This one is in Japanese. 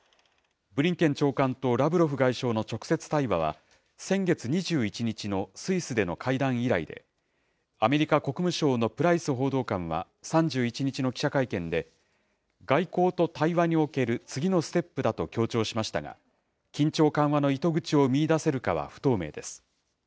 ブリンケン長官とラブロフ外相の直接対話は、先月２１日のスイスでの会談以来で、アメリカ国務省のプライス報道官は３１日の記者会見で、外交と対話における次のステップだと強調しましたが、緊張緩和の糸口を見いだせるかは不透明です。